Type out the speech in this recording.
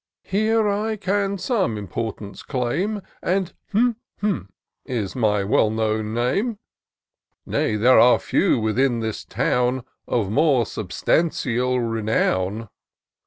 Here I can some importance claim. And is my well known name ; Nay, there are few within this town Of more substantial renown.